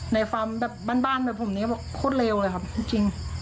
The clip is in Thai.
ฟาร์มแบบบ้านแบบผมนี้บอกโคตรเลวเลยครับพูดจริง